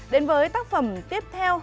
đến với tác phẩm tiếp theo